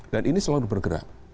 dan ini selalu bergerak